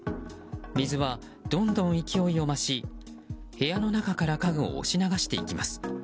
水はどんどん勢いを増し部屋の中から家具を押し流していきます。